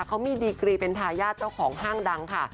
เขามีดีกรีเป็นทายาทเจ้าของห้างดังค่ะ